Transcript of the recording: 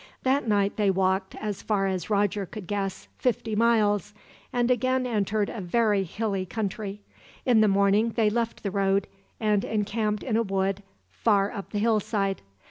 That night they walked, as far as Roger could guess, fifty miles, and again entered a very hilly country. In the morning they left the road and encamped in a wood, far up the hillside.